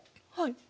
はい。